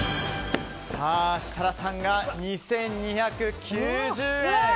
設楽さんが２２９０円。